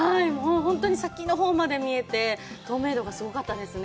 本当に先のほうまで見えて、透明度がすごかったですね。